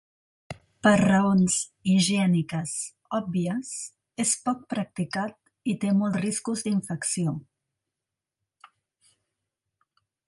Per raons higièniques òbvies, és poc practicat i té molts riscos d'infecció.